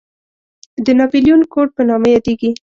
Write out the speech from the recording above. د ناپلیون کوډ په نامه یادېږي.